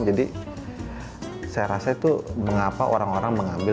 jadi saya rasa itu mengapa orang orang mengambil